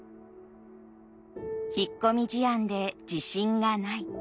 引っ込み思案で自信がない。